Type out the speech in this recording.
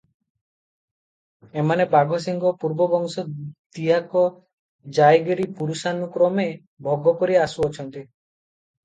ଏମାନେ ବାଘସିଂହ ପୂର୍ବବଂଶ ଦିଆକ ଜାୟଗିରି ପୁରୁଷାନୁକ୍ରମେ ଭୋଗ କରି ଆସୁଅଛନ୍ତି ।